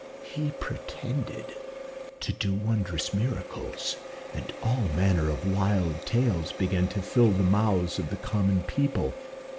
"He pretended to do wondrous miracles, and all manner of wild tales began to fill the mouths of the common people.